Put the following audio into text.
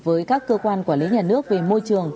với các cơ quan quản lý nhà nước về môi trường